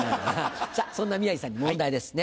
さぁそんな宮治さんに問題ですね。